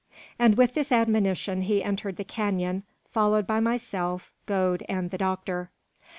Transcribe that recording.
And with this admonition he entered the canon, followed by myself, Gode, and the doctor.